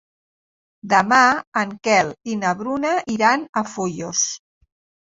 Demà en Quel i na Bruna iran a Foios.